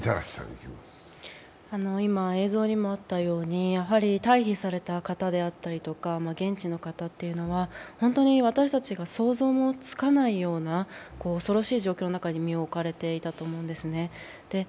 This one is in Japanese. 今、映像にもあったように退避された方であったりとか現地の方というのは、私たちが想像もつかないような恐ろしい状況の中に身を置かれていたと思うんですね。